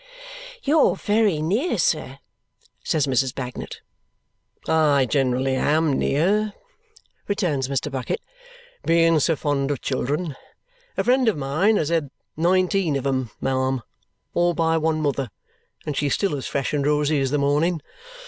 "You're very near, sir," says Mrs. Bagnet. "I generally am near," returns Mr. Bucket, "being so fond of children. A friend of mine has had nineteen of 'em, ma'am, all by one mother, and she's still as fresh and rosy as the morning.